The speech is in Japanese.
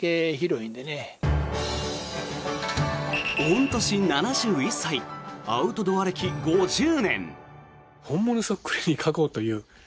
御年７１歳アウトドア歴５０年。